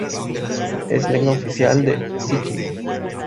Es lengua oficial en Sikkim.